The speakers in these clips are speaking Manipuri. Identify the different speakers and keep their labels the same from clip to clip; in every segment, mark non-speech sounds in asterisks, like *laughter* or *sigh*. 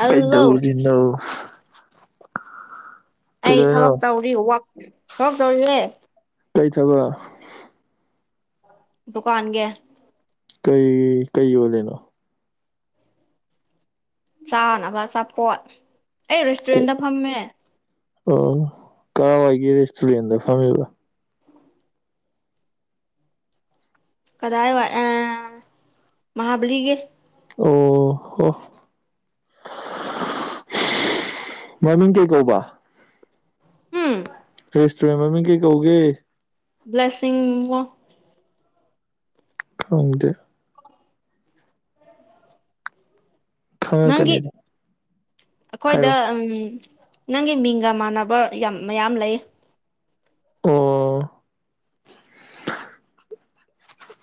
Speaker 1: ꯍꯜꯂꯣ
Speaker 2: ꯀꯩꯗꯧꯔꯤꯅꯣ
Speaker 1: ꯑꯩ
Speaker 2: ꯀꯩꯗꯧꯔꯤꯅꯣ
Speaker 1: ꯊꯕꯛ ꯇꯧꯔꯤ ꯋ꯭ꯥꯔꯛ ꯊꯕꯛ ꯇꯧꯔꯤꯌꯦ
Speaker 2: ꯀꯩ ꯊꯕꯛ
Speaker 1: ꯗꯨꯀꯥꯟꯒꯤ
Speaker 2: ꯀꯩ ꯀꯩ ꯌꯣꯜꯂꯤꯅꯣ
Speaker 1: ꯆꯥꯅꯕ ꯑꯆꯥꯄꯣꯠ ꯑꯩ ꯔꯦꯁꯇꯨꯔꯦꯟꯗ ꯐꯝꯃꯦ
Speaker 2: ꯑꯣ ꯀꯥꯔꯋꯥꯏꯒꯤ ꯔꯦꯁꯇꯨꯔꯦꯟꯗ ꯐꯝꯃꯤꯕ
Speaker 1: ꯀꯗꯥꯏ ꯋꯥꯏ ꯑ ꯃꯥꯍꯥꯕꯂꯤꯒꯤ
Speaker 2: ꯑꯣ ꯍꯣ ꯃꯃꯤꯡ ꯀꯩ ꯀꯧꯕ
Speaker 1: ꯍꯨꯝ
Speaker 2: ꯔꯦꯁꯇꯨꯔꯦꯟ ꯃꯃꯤꯡ ꯀꯩ ꯀꯧꯒꯦ
Speaker 1: ꯕ꯭ꯂꯦꯁꯤꯡ ꯋꯥ
Speaker 2: ꯈꯪꯗꯦ
Speaker 1: ꯅꯪꯒꯤ
Speaker 2: ꯈꯪꯉꯛꯀꯅꯤꯗ
Speaker 1: ꯑꯩꯈꯣꯏꯗ
Speaker 2: ꯍꯥꯏꯔꯣ
Speaker 1: ꯎꯝ ꯅꯪꯒꯤ ꯃꯤꯡꯒ ꯃꯥꯟꯅꯕ ꯌꯥꯝ ꯃꯌꯥꯝ ꯂꯩ
Speaker 2: ꯑꯣ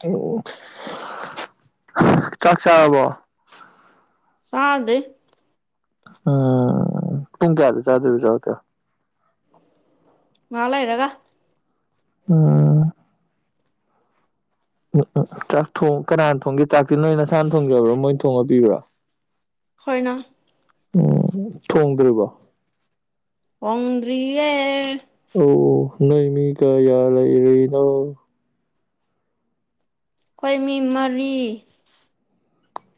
Speaker 2: ꯑꯣ ꯆꯥꯛ ꯆꯥꯔꯕꯣ
Speaker 1: ꯆꯥꯗ꯭ꯔꯤ
Speaker 2: ꯍꯥ ꯎꯝ ꯄꯨꯡ ꯀꯌꯥꯗ ꯆꯥꯗꯣꯏꯕ ꯆꯥꯛꯇꯤ
Speaker 1: ꯉꯥꯛ ꯂꯩꯔꯒ
Speaker 2: ꯎꯝ ꯎꯝ ꯎꯝ ꯆꯥꯛ ꯊꯣꯡ ꯀꯅꯥꯅ ꯊꯣꯡꯒꯦ ꯆꯥꯛꯇꯤ ꯅꯣꯏ ꯅꯁꯥꯅ ꯊꯣꯡꯖꯕ꯭ꯔꯣ ꯃꯣꯏꯅ ꯊꯣꯡꯉ ꯄꯤꯕ꯭ꯔꯣ
Speaker 1: ꯑꯈꯣꯢꯅ
Speaker 2: ꯎꯝ ꯊꯣꯡꯗ꯭ꯔꯤꯕꯣ
Speaker 1: ꯊꯣꯡꯗ꯭ꯔꯤꯌꯦ
Speaker 2: ꯑꯣ ꯅꯣꯏ ꯃꯤ ꯀꯌꯥ ꯂꯩꯔꯤꯅꯣ
Speaker 1: ꯑꯈꯣꯢ ꯃꯤ ꯃꯔꯤ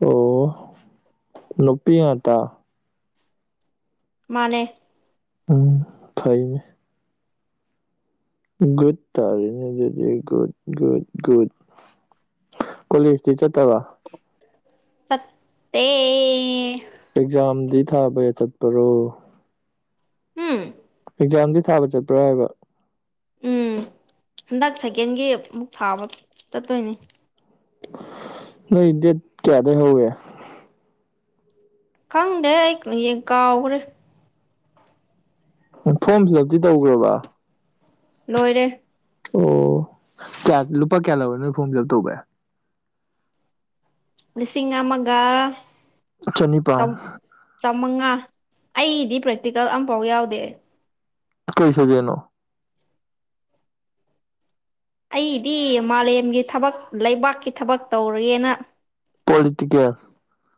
Speaker 2: ꯑꯣ ꯅꯨꯄꯤ ꯉꯥꯛꯇ
Speaker 1: ꯃꯥꯅꯦ
Speaker 2: ꯎꯝ ꯐꯩꯅꯦ ꯒꯨꯠ ꯇꯥꯔꯦꯅꯦ ꯑꯗꯨꯗꯤ ꯒꯨꯨꯠ ꯒꯨꯠ ꯒꯨꯠ ꯀꯣꯂꯦꯖꯇꯤ ꯆꯠꯇꯕ
Speaker 1: ꯆꯠꯇꯦ
Speaker 2: ꯑꯦꯛꯖꯥꯝꯗꯤ ꯊꯥꯕ ꯌꯥ ꯆꯠꯄ꯭ꯔꯣ
Speaker 1: ꯍꯝ
Speaker 2: ꯑꯦꯛꯖꯥꯝꯗꯤ ꯊꯥꯕ ꯆꯠꯄ꯭ꯔꯥ ꯍꯥꯏꯕ?
Speaker 1: ꯎꯝ ꯍꯟꯗꯛ ꯁꯦꯀꯦꯟꯒꯤ ꯑꯃꯨꯛ ꯊꯥꯕ ꯆꯠꯇꯣꯏꯅꯤ꯫
Speaker 2: ꯅꯣꯏ ꯗꯦꯠ ꯀꯌꯥꯗꯩ ꯍꯧꯋꯤ?
Speaker 1: ꯈꯪꯗꯦ ꯑꯩ ꯀꯥꯎꯒ꯭ꯔꯦ꯫
Speaker 2: ꯐꯣꯔꯝ ꯐꯤꯜ ꯑꯞꯇꯤ ꯇꯧꯒ꯭ꯔꯕ?
Speaker 1: ꯂꯣꯏꯔꯦ
Speaker 2: ꯑꯣ ꯀꯌꯥ ꯂꯨꯄꯥ ꯀꯌꯥ ꯂꯧꯔꯦ ꯅꯣꯏ ꯐꯣꯝ ꯐꯤꯜꯑꯞ ꯇꯧꯕꯩ?
Speaker 1: ꯂꯤꯁꯤꯡ ꯑꯃꯒ
Speaker 2: ꯆꯅꯤꯄꯥꯟ
Speaker 1: ꯆꯥꯃꯉꯥ ꯑꯩꯗꯤ ꯄ꯭ꯔꯦꯛꯇꯤꯀꯦꯜ ꯑꯃꯝꯐꯥꯎ ꯌꯥꯎꯗꯦ꯫
Speaker 2: ꯀꯩ ꯁꯞꯖꯦꯛꯅꯣ?
Speaker 1: ꯑꯩꯒꯤꯗꯤ ꯃꯥꯂꯦꯝꯒꯤ ꯊꯕꯛ ꯂꯩꯕꯥꯛꯀꯤ ꯊꯕꯛ ꯇꯧꯔꯒꯦꯅ
Speaker 2: ꯄꯣꯂꯤꯇꯤ ꯀꯦꯜ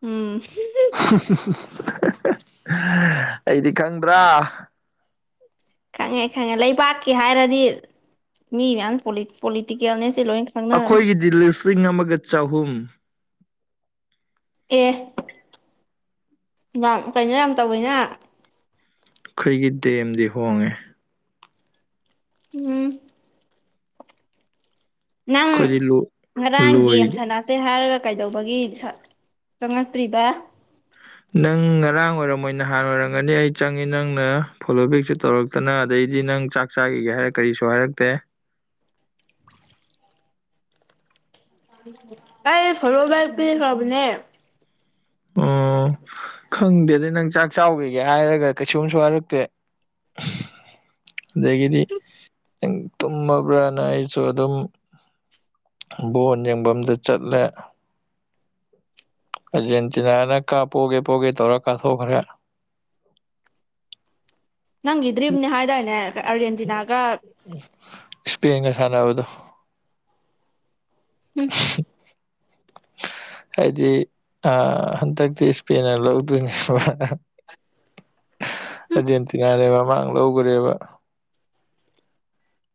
Speaker 1: ꯎꯝ
Speaker 2: *unintelligible* ꯑꯩꯗꯤ ꯈꯪꯗ꯭ꯔꯥ
Speaker 1: ꯈꯪꯉꯦ - ꯈꯪꯉꯦ ꯂꯩꯕꯥꯛꯀꯤ ꯍꯥꯏꯔꯗꯤ ꯃꯤ ꯃꯌꯥꯝ ꯄꯣꯂꯤ ꯄꯣꯂꯤꯇꯤꯀꯦꯜꯅꯦꯁꯦ ꯂꯣꯏ ꯈꯪꯅꯔꯕꯅꯦ
Speaker 2: ꯑꯈꯣꯏꯒꯤꯗꯤ ꯂꯤꯁꯤꯡ ꯑꯃꯒ ꯆꯍꯨꯝ
Speaker 1: ꯑꯦ ꯌꯥꯝ ꯀꯩꯅꯣ ꯌꯥꯝ ꯇꯧꯋꯤꯅ
Speaker 2: ꯈꯣꯏ ꯒꯤ ꯗꯦꯝꯗꯤ ꯍꯣꯡꯉꯦ
Speaker 1: ꯎꯝ ꯅꯪ
Speaker 2: ꯑꯩꯈꯣꯏꯗꯤ ꯂꯣꯏ
Speaker 1: ꯉꯔꯥꯡ
Speaker 2: ꯂꯣꯏ
Speaker 1: ꯒꯦꯝ ꯁꯥꯟꯅ ꯗꯦ ꯍꯥꯏꯔꯒ ꯀꯩꯗꯧꯕꯒꯤ ꯆꯪꯉꯛꯇ꯭ꯔꯤꯕ?
Speaker 2: ꯅꯪ ꯉꯔꯥꯡ ꯑꯣꯏꯔꯝꯃꯣꯏ ꯅꯍꯥꯟ ꯑꯣꯏꯔꯝꯒꯅꯤ ꯑꯩ ꯆꯪꯉꯤ ꯅꯪꯅ ꯐꯣꯂꯣ ꯕꯦꯛꯁꯨ ꯇꯧꯔꯛ ꯇꯅ ꯑꯗꯩꯗꯤ ꯅꯪ ꯆꯥꯛ ꯆꯥꯈꯤꯒꯦ ꯍꯥꯏꯔ ꯀꯔꯤꯁꯨ ꯍꯥꯏꯔꯛꯇꯦ꯫
Speaker 1: ꯑꯩ ꯐꯣꯂꯣ ꯕꯦꯛ ꯄꯤꯈ꯭ꯔꯕꯅꯦ꯫
Speaker 2: ꯑꯣ ꯈꯪꯗꯦꯅꯦ ꯅꯪ ꯆꯥꯛ ꯆꯥꯎꯒꯤꯒꯦ ꯍꯥꯏꯔꯒ ꯀꯩꯁꯨꯝꯁꯨ ꯍꯥꯏꯔꯛꯇꯦ꯫ ꯑꯗꯒꯤꯗꯤ ꯇꯨꯝꯃꯕ꯭ꯔꯅ ꯑꯩꯁꯨ ꯑꯗꯨꯝ ꯕꯣꯟ ꯌꯦꯡꯕꯝꯗ ꯆꯠꯂꯦ ꯑꯔꯖꯦꯟꯇꯤꯅꯥꯅ ꯀꯥ ꯄꯣꯒꯦ - ꯄꯣꯒꯦ ꯇꯧꯔ ꯀꯥꯊꯣꯛꯈ꯭ꯔꯦ꯫
Speaker 1: ꯅꯪꯒꯤ ꯗ꯭ꯔꯤꯝꯅꯦ ꯍꯥꯏꯗꯥꯏꯅꯦ ꯑꯥꯔꯖꯦꯟꯇꯤꯅꯥꯒ
Speaker 2: ꯏꯁꯄꯦꯟꯒ ꯁꯥꯟꯅꯕꯗꯣ
Speaker 1: ꯍꯨꯝ
Speaker 2: ꯍꯥꯏꯗꯤ ꯑꯥ ꯍꯟꯗꯛꯇꯤ ꯏꯁꯄꯦꯟꯅ ꯂꯧꯗꯣꯏꯅꯦꯕ ꯑꯔꯖꯦꯟꯇꯤꯅꯥꯗꯤ ꯃꯃꯥꯡ ꯂꯧꯒꯔꯦꯕ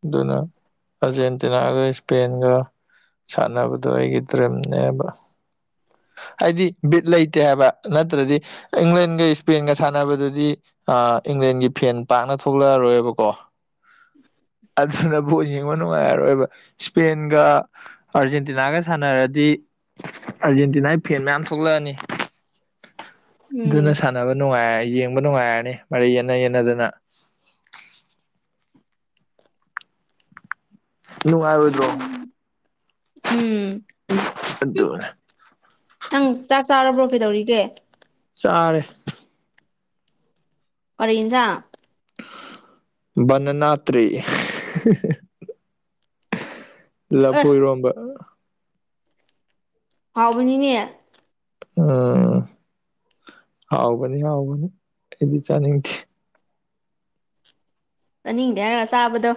Speaker 2: ꯑꯗꯨꯅ ꯑꯥꯔꯖꯦꯟꯇꯤꯅꯥꯒ ꯏꯁꯄꯦꯟꯒ ꯁꯥꯟꯅꯕꯗꯣ ꯑꯩꯒꯤ ꯗ꯭ꯔꯤꯝꯅꯦꯕ꯫ ꯍꯥꯏꯗꯤ ꯕꯤꯠ ꯂꯩꯇꯦ ꯍꯥꯏꯕ ꯅꯠꯇ꯭ꯔꯗꯤ ꯏꯪꯂꯦꯟꯒ ꯏꯁꯄꯦꯟꯒ ꯁꯥꯟꯅꯕꯗꯨꯗꯤ ꯏꯪꯂꯦꯟꯒꯤ ꯐꯦꯟ ꯄꯥꯛꯅ ꯊꯣꯛꯂꯛꯑꯔꯣꯏꯕꯀꯣ꯫
Speaker 1: *unintelligible*
Speaker 2: ꯑꯗꯨꯅ ꯚꯣꯜ ꯌꯦꯡꯕ ꯅꯨꯡꯉꯥꯏꯔꯔꯣꯏꯕ ꯏꯁꯄꯦꯟꯒ ꯑꯥꯔꯖꯦꯟꯇꯤꯅꯥꯒ ꯁꯥꯟꯅꯔꯗꯤ ꯑꯥꯔꯖꯦꯟꯇꯤꯅꯥꯒꯤ ꯐꯦꯟ ꯃꯌꯥꯝ ꯊꯣꯛꯂꯛꯑꯅꯤ ꯑꯗꯨꯅ
Speaker 1: ꯎꯝ
Speaker 2: ꯁꯥꯟꯅꯕ ꯅꯨꯡꯉꯥꯏ ꯌꯦꯡꯕ ꯅꯨꯡꯉꯥꯏꯔꯅꯤ ꯃꯔꯩ ꯌꯦꯠꯅ ꯌꯦꯠꯅꯗꯅ꯫ ꯅꯨꯡꯉꯥꯏꯔꯣꯏꯗ꯭ꯔꯣ?
Speaker 1: ꯎꯝ
Speaker 2: ꯑꯗꯨꯅꯤ
Speaker 1: ꯅꯪ ꯆꯥꯛ ꯆꯥꯔꯕ꯭ꯔꯣ ꯀꯩꯗꯧꯔꯤꯒꯦ?
Speaker 2: ꯆꯥꯔꯦ
Speaker 1: ꯀꯔꯤ ꯏꯟꯖꯥꯡ?
Speaker 2: ꯕꯅꯅꯥ ꯇ꯭ꯔꯤ ꯂ
Speaker 1: ꯑꯦ
Speaker 2: ꯄꯨꯨ ꯑꯣꯏꯔꯣꯝꯕ
Speaker 1: ꯍꯥꯎꯕꯅꯤꯅꯦ
Speaker 2: ꯎꯝ ꯍꯥꯎꯕꯅꯤ ꯍꯥꯎꯕꯅꯤ ꯑꯩꯗꯤ ꯆꯥꯅꯤꯡꯗꯦ
Speaker 1: ꯆꯥꯅꯤꯡꯗꯦ ꯍꯥꯏꯔꯒ ꯆꯥꯕꯗꯣ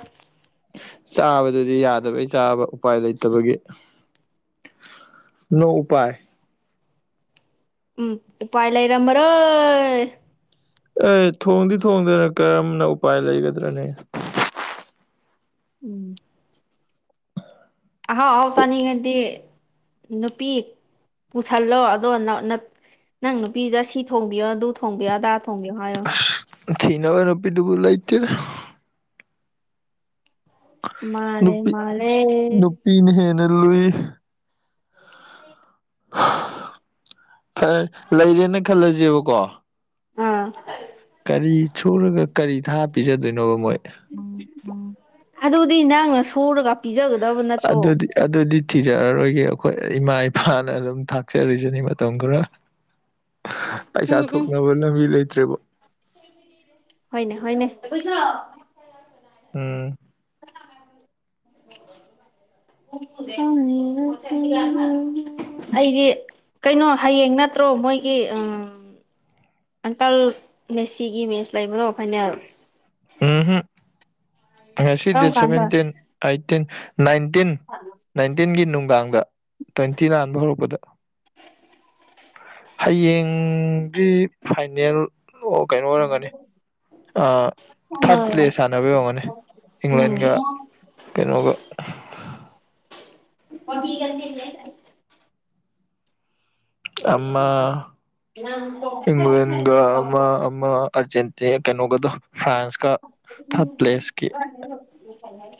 Speaker 2: ꯆꯥꯕꯗꯗꯤ ꯌꯥꯗꯕꯩ ꯆꯥꯕ ꯎꯄꯥꯏ ꯂꯩꯇꯕꯒꯤ ꯅꯣ ꯎꯄꯥꯏ
Speaker 1: ꯎꯝ ꯄꯥꯏ ꯂꯩ ꯏꯔꯝꯕꯔꯣ
Speaker 2: ꯑꯦ ꯊꯣꯡꯗꯤ ꯊꯣꯡꯗꯅ ꯀꯔꯝꯅ ꯎꯄꯥꯏ ꯂꯩꯒꯗ꯭ꯔꯅꯦ
Speaker 1: ꯎꯝ ꯑꯍꯥꯎ ꯑꯍꯥꯎ ꯆꯥꯅꯤꯡꯉꯗꯤ ꯅꯨꯄꯤ ꯄꯨꯁꯜꯂꯣ ꯑꯗꯣ ꯅꯪ ꯅꯨꯄꯤꯗ ꯁꯤ ꯊꯣꯡꯕꯤꯌꯣ ꯑꯗꯨ ꯊꯣꯡꯕꯤꯌꯣ ꯑꯗꯥ ꯊꯣꯡꯕꯤꯌꯣ ꯍꯥꯏ
Speaker 2: ꯊꯤ ꯅꯕ ꯅꯄꯤꯗꯨꯕꯨ ꯂ ꯏꯇꯦ
Speaker 1: ꯃꯥꯂꯦ ꯃꯥꯂꯦ
Speaker 2: ꯄꯅ ꯍꯦꯅ ꯂꯨꯏ
Speaker 1: ꯑ
Speaker 2: ꯐꯔꯦ ꯂꯩꯔꯦꯅ ꯈꯜꯂꯁꯦꯕꯀꯣ
Speaker 1: ꯑꯝ
Speaker 2: ꯀꯔꯤ ꯁꯨꯔꯒ ꯀꯔꯤ ꯊꯥ ꯄꯤꯖꯗꯣꯏꯅꯣꯕ ꯃꯣꯏ
Speaker 1: ꯑꯗꯨꯗꯤ ꯅꯪꯅ ꯁꯨꯔꯒ ꯄꯤꯖꯒꯗꯕ ꯅꯠꯇ꯭ꯔꯣ
Speaker 2: ꯑꯗꯨꯗꯤ ꯑꯗꯨꯗꯤ ꯊꯤꯖꯔꯔꯣꯏꯒꯦ ꯑꯩꯈꯣꯏ ꯏꯃꯥ ꯏꯄꯥꯅ ꯑꯗꯨꯝ ꯊꯥꯛꯆꯔꯤꯁꯤꯅꯤ ꯃꯇꯝ ꯈꯔ ꯄꯩꯁꯥ
Speaker 1: ꯎꯝ ꯎꯝ
Speaker 2: ꯊꯣꯛꯅꯕ ꯂꯝꯕꯤ ꯂꯩꯇ꯭ꯔꯦꯕ
Speaker 1: ꯍ ꯍꯅꯦ ꯍꯅꯦ ꯀ
Speaker 2: ꯎꯝ
Speaker 1: ꯑꯩꯗꯤ ꯀꯩꯅꯣ ꯍꯌꯦꯡ ꯅꯠꯇ꯭ꯔꯣ ꯃꯣꯏꯒꯤ ꯎꯝ ꯑꯪꯀꯜ ꯃꯦꯁꯤꯒꯤ ꯃꯦꯠꯆ ꯂꯩꯕꯗꯣ ꯐꯥꯏꯅꯜ
Speaker 2: ꯎꯝꯝ ꯉꯁꯤ
Speaker 1: ꯀꯔꯝ
Speaker 2: ꯗꯦꯠ
Speaker 1: ꯀꯥꯟꯗ
Speaker 2: ꯁꯚꯦꯟꯇꯤꯟ ꯑꯩꯠꯇꯤꯟ ꯅꯥꯏꯟꯇꯤꯟ
Speaker 1: ꯍꯂꯣ *unintelligible*
Speaker 2: ꯅꯥꯏꯟꯇꯤꯟꯒꯤ ꯅꯨꯡꯗꯥꯡꯗ ꯇ꯭ꯋꯦꯟꯇꯤ ꯅꯥꯟꯕ ꯍꯧꯔꯛꯄꯗ ꯍꯌꯦꯡꯗꯤ ꯐꯥꯏꯅꯦꯜ ꯀꯩꯅꯣ ꯑꯣꯏꯔꯝꯒꯅꯤ ꯊꯥꯔꯠ ꯄ꯭ꯂꯦꯁ ꯁꯥꯟꯅꯕ ꯌꯝꯒꯅꯤ
Speaker 1: ꯎꯝ
Speaker 2: ꯏꯪꯂꯦꯟꯒ ꯀꯩꯅꯣꯒ
Speaker 1: ꯑꯣ ꯀ ꯀꯅꯤꯦ *unintelligible*
Speaker 2: ꯑꯃ ꯏꯪꯂ꯭ꯂꯦꯟꯒ ꯑ ꯑ ꯑꯔꯖꯦꯟꯇ ꯑ ꯀꯩꯅꯣꯒꯗꯣ ꯐ꯭ꯔꯥꯟꯁꯀ ꯊꯥꯔꯠ ꯄ꯭ꯂꯦꯁꯀꯤ
Speaker 1: ꯀꯟꯥꯏ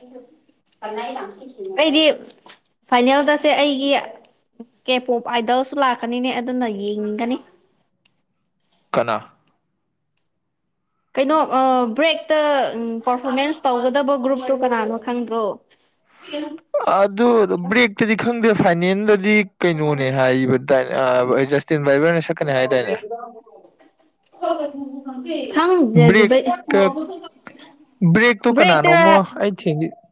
Speaker 1: ꯑꯩꯗꯤ ꯐꯥꯏꯅꯦꯜꯗꯁꯦ ꯑꯩꯒꯤ ꯀꯦꯄꯣꯞ ꯑꯥꯏꯗꯜꯁꯨ ꯂꯥꯛꯀꯅꯤꯅꯦ ꯑꯗꯨꯅ ꯌꯦꯡꯅꯤꯡꯒꯅꯤ
Speaker 2: ꯀꯅꯥ
Speaker 1: ꯀꯩꯅꯣ ꯕ꯭ꯔꯦꯛꯇ ꯄꯔꯐꯣꯔꯃꯦꯟ꯭ꯁ ꯇꯧꯒꯗꯕ ꯒ꯭ꯔꯨꯞꯇꯨ ꯀꯅꯥꯅꯣ ꯈꯪꯗ꯭ꯔꯣ ꯑ
Speaker 2: ꯑꯗꯨ ꯕ꯭ꯔꯦꯛꯇꯗꯤ ꯈꯪꯗꯦ ꯐꯥꯏꯅꯦꯜꯗꯗꯤ ꯀꯩꯅꯣꯅꯦ ꯍꯥꯏꯕꯗꯥꯏꯅꯦ ꯖꯁꯇꯤꯟ ꯕꯥꯏꯕꯔꯅ ꯁꯛꯀꯅꯤ ꯍꯥꯏꯗꯥꯏꯅꯦ
Speaker 1: *unintelligible* ꯍꯣꯏ ꯈꯪꯗꯦꯖꯤ
Speaker 2: ꯕ꯭ꯔꯦꯛꯇ
Speaker 1: ꯕ꯭ꯔꯦꯛꯦꯛ ꯇꯔ
Speaker 2: ꯊ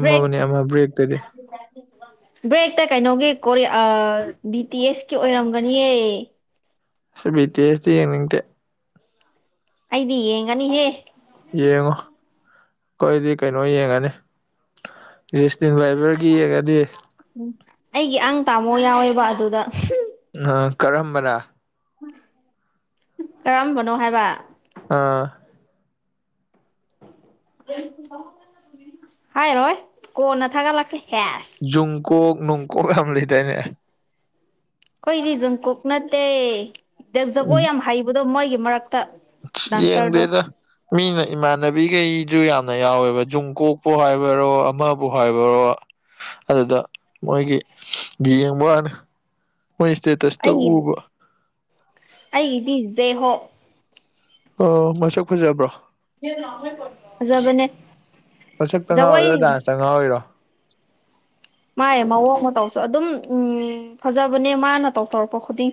Speaker 1: ꯕ꯭ꯔꯦꯦꯛ
Speaker 2: ꯑꯃ ꯕ꯭ꯔꯦꯛꯇꯗꯤ
Speaker 1: ꯕ꯭ꯔꯦꯛꯇ ꯀꯩꯅꯣꯒꯤ ꯀꯣ ꯕꯤ ꯇꯤ ꯑꯦꯁ ꯀꯤ ꯑꯣꯏꯔꯝꯒꯅꯤꯌꯦ
Speaker 2: ꯁ ꯕꯤ ꯇꯤ ꯑꯦꯁ ꯗꯤ ꯌꯦꯅꯤꯡꯇꯦ
Speaker 1: ꯑꯩꯗꯤ ꯌꯦꯡꯉꯅꯤꯍꯦ
Speaker 2: ꯌꯦꯡꯉꯣ ꯑꯩꯈꯣꯏꯗꯤ ꯀꯩꯅꯣ ꯌꯦꯡꯉꯅꯤ ꯁꯇꯦꯟ ꯥꯏꯚꯔꯒꯤ ꯌꯦꯡꯉꯗꯤ
Speaker 1: ꯎꯝ ꯑꯩꯒꯤ ꯑꯪ ꯇꯥꯃꯣ ꯌꯥꯎꯋꯦꯕ ꯑꯗꯨꯗ
Speaker 2: ꯀꯔꯝꯕꯅ
Speaker 1: ꯀꯔꯝꯕꯅꯣ ꯍꯥꯏꯕ
Speaker 2: ꯑꯥ
Speaker 1: ꯍꯥꯏꯔꯣꯏ ꯀꯣꯟꯅ ꯊꯥꯒꯠꯂꯛꯀꯦ ꯍꯦꯁ
Speaker 2: ꯖꯨꯡꯀꯣꯛ ꯅꯨꯡꯀꯣꯛ ꯌꯥꯝ ꯂꯩꯗꯥꯅꯦ
Speaker 1: ꯑꯩꯈꯣꯏꯗꯤ ꯖꯪꯀꯣꯛ ꯅꯠꯇꯦ ꯖꯒꯣꯏ ꯌꯥꯝ ꯍꯩꯕꯗꯣ ꯃꯣꯏꯒꯤ ꯃꯔꯛꯇ ꯗꯥꯟꯁꯔꯗꯣ
Speaker 2: ꯌꯦꯡꯗꯦꯗ ꯃꯤꯅ ꯏꯃꯥꯟꯅꯕꯤꯈꯩꯗꯨ ꯌꯥꯝꯅ ꯌꯥꯎꯋꯦꯕ ꯖꯨꯡ ꯀꯣꯛꯄꯨ ꯍꯥꯏꯕꯔꯣ ꯑꯃꯕꯨ ꯍꯥꯏꯕꯔꯣ ꯑꯗꯨꯗ ꯃꯣꯏꯒꯤ ꯌꯦꯡꯕꯅꯤ
Speaker 1: ꯑꯩꯒꯤꯗꯤ ꯑꯩꯒꯤꯗꯤ ꯖꯦ ꯍꯣ
Speaker 2: ꯑ ꯃꯁꯛ ꯐꯖꯕ꯭ꯔꯣ
Speaker 1: ꯖꯕꯅꯦꯖꯒꯏ
Speaker 2: ꯉꯥꯎꯏꯔꯣ
Speaker 1: ꯃꯥꯥꯏ ꯃꯑꯣꯡ ꯃꯇꯧꯁꯨ ꯑꯗꯨꯝ ꯎꯝ ꯐꯖꯕꯅꯦ ꯃꯥꯅ ꯇꯧꯊꯧꯔꯛꯄ ꯈꯨꯗꯤꯡ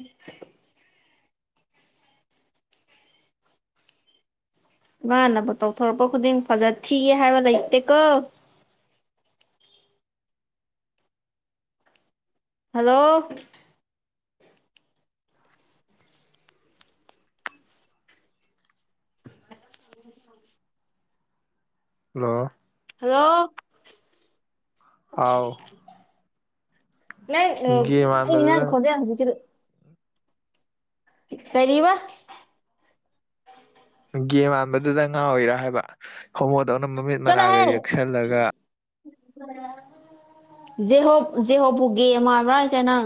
Speaker 1: ꯃꯥꯅꯕꯨ ꯇꯧꯊꯣꯔꯛꯄ ꯈꯨꯗꯤꯡ ꯐꯖ ꯊꯤꯒꯦ ꯍꯥꯏꯕ ꯂꯩꯇꯦꯀꯣ ꯍꯜꯂꯣ
Speaker 2: ꯑꯣꯣ
Speaker 1: ꯍꯜꯂꯣ
Speaker 2: ꯍꯥꯎ
Speaker 1: ꯂꯩ
Speaker 2: ꯒꯦ ꯃꯥꯟꯕꯗꯨꯗꯪ
Speaker 1: ꯏꯩꯅ ꯈꯗꯦ ꯍꯥꯏꯖꯤ ꯀꯗ ꯀꯔꯤꯕ
Speaker 2: ꯒꯦꯝ ꯍꯥꯟꯕꯗꯨꯗ ꯉꯥꯎꯋꯔꯤꯔꯥ ꯍꯥꯏꯕ ꯍꯣꯃꯣꯗꯧꯅ ꯃꯃꯤꯠ ꯃꯅꯥꯒ ꯌꯦꯛꯁꯜꯂꯒ
Speaker 1: ꯖꯦꯍꯣꯞ ꯖꯦꯍꯣꯞꯄꯨꯒꯦ ꯃꯥꯥꯟꯕ꯭ꯔꯥ ꯍꯥꯏꯁꯦ ꯅꯪ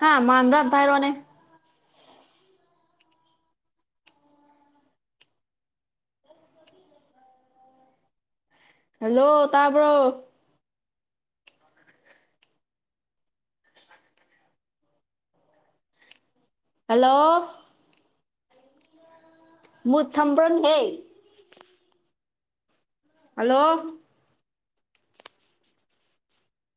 Speaker 1: ꯍꯥ ꯃꯥꯥꯟꯗ꯭ꯔꯥꯝ ꯇ ꯍꯥꯏꯔ ꯋꯥꯅꯦ ꯍꯜꯂꯣ ꯇꯥꯕ꯭ꯔꯣ ꯍꯜꯂꯣ ꯃꯨꯠ ꯊꯝꯕ꯭ꯔꯪꯍꯩ ꯍꯜꯂꯣ